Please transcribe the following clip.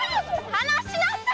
離しなさい！